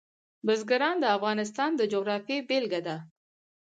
بزګان د افغانستان د جغرافیې بېلګه ده.